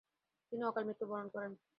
তিনি অকাল মৃত্যুবরণ করেন।